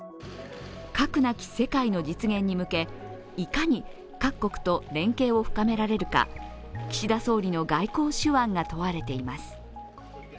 核なき世界の実現に向けいかに各国と連携を深められるか岸田総理の外交手腕が問われています。